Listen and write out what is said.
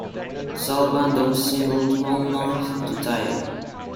Sal Bando singled home North to tie it.